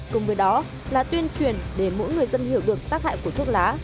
cùng với đó là tuyên truyền để mỗi người dân hiểu được tác hại của thuốc lá